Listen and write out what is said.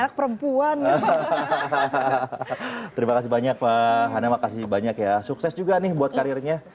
anak perempuan hahaha terima kasih banyak pak hana makasih banyak ya sukses juga nih buat karirnya